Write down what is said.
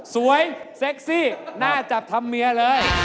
สวยเส็กซี่น่าจับทำเมียเลย